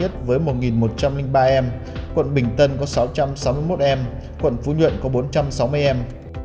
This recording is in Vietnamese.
đang ở tỉnh cao nhất với một một trăm linh ba em quận bình tân có sáu trăm sáu mươi một em quận phú nhuận có bốn trăm sáu mươi em